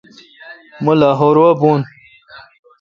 مہ لاہور وا بھون۔